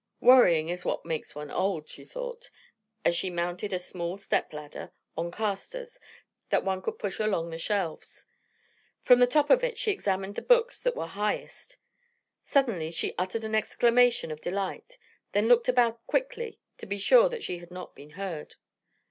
"Worrying is what makes one old," she thought, as she mounted a small step ladder on casters that one could push along the shelves. From the top of it she examined the books that were highest. Suddenly she uttered an exclamation of delight, then looked about quickly to be sure that she had not been heard.